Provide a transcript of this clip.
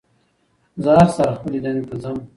زه هر سهار خپلې دندې ته ځم